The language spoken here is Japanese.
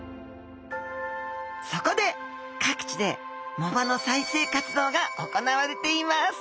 そこで各地で藻場の再生活動が行われています。